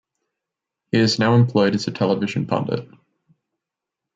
He is now employed as a television pundit.